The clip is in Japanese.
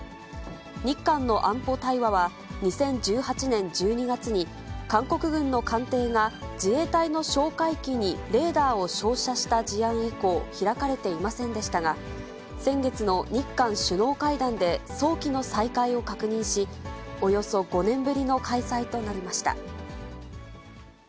日韓の安保対話は、２０１８年１２月に韓国軍の艦艇が自衛隊の哨戒機にレーダーを照射した事案以降、開かれていませんでしたが、先月の日韓首脳会談で早期の再開を確認し、およそ５年ぶりの開催となりました。